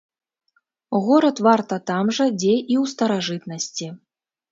Горад варта там жа, дзе і ў старажытнасці.